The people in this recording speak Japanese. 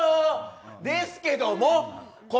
ですけども。